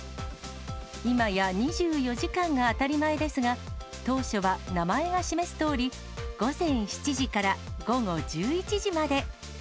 今や２４時間が当たり前ですが、当初は名前が示すとおり、午前７時から午後１１時まで。